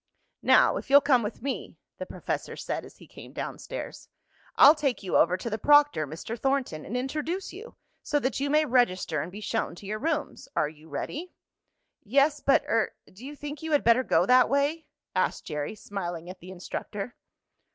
"Now, if you'll come with me," the professor said as he came down stairs, "I'll take you over to the proctor, Mr. Thornton, and introduce you, so that you may register and be shown to your rooms. Are you ready?" "Yes, but er do you think you had better go that way?" asked Jerry, smiling at the instructor.